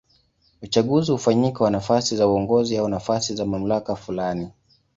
Uchaguzi hufanyika kwa nafasi za uongozi au nafasi za mamlaka fulani.